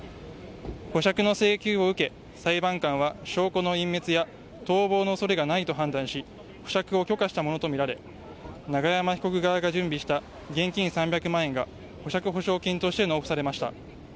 保釈の請求を受け、裁判官は証拠の隠滅や逃亡の恐れがないと判断し保釈を許可したものとみられ永山被告側が準備した現金３００万円が保釈保証金として納付されました。